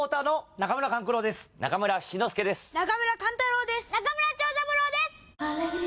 中村長三郎です。